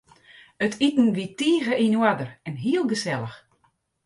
It iten wie tige yn oarder en hiel gesellich.